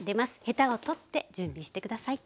ヘタを取って準備して下さい。